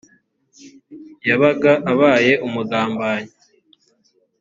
yabaga abaye umugambanyi